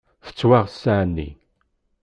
Tettwaɣ ssaεa-nni.